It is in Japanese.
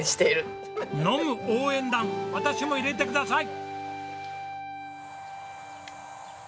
飲む応援団私も入れてください！